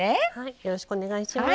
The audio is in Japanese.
よろしくお願いします。